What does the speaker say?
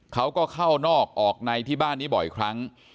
เขาก็เข้านอกออกในที่บ้านนี้บ่อยครั้ง